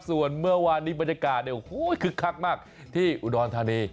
ส่วนเมื่อวานนี้บรรยากาศคึกคักมากที่อุดรธานี